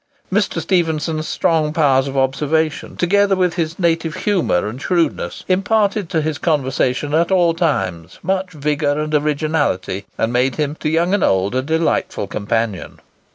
Mr. Stephenson's strong powers of observation, together with his native humour and shrewdness, imparted to his conversation at all times much vigour and originality, and made him, to young and old, a delightful companion.